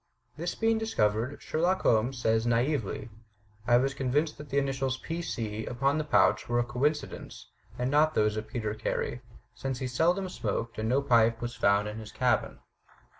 This being discovered, Sherlock Holmes says naively, "I was con vinced that the initials P. C. upon the pouch were a coinci FURTHER ADVICES 307 dence and not those of Peter Carey, since he seldom smoked and no pipe was found in his cabin."